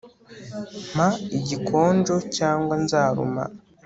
mpa igikonjo, cyangwa nzaruma